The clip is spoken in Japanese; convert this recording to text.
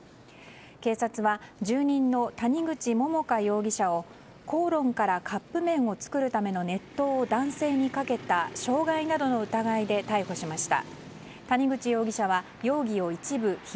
警察は、住人の谷口桃花容疑者を口論からカップ麺を作るための熱湯を男性にかけた傷害などの疑いで逮捕しました。